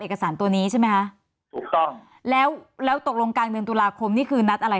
เอกสารตัวนี้ใช่ไหมคะถูกต้องแล้วแล้วตกลงกลางเดือนตุลาคมนี่คือนัดอะไร